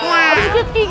aromanya kesini tahu nggak